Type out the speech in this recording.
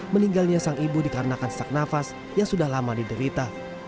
meninggalnya sang ibu dikarenakan sesak nafas yang sudah lama diderita